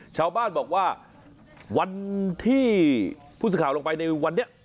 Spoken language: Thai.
ชาวบ้านบอกว่าวันที่ผู้สื่อข่าวลงไปในวันนี้